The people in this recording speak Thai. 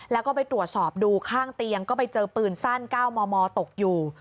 แล้วก็ไปตรวจสอบดูข้างเตียงก็ไปเจอปืนสั้น๙มมตกอยู่